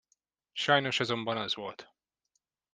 Sajnos azonban az volt.